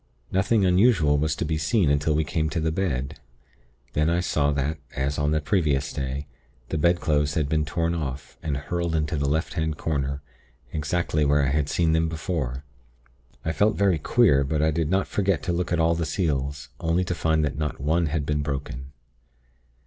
Nothing unusual was to be seen until we came to the bed; then I saw that, as on the previous day, the bedclothes had been torn off, and hurled into the left hand corner, exactly where I had seen them before. I felt very queer; but I did not forget to look at all the seals, only to find that not one had been broken.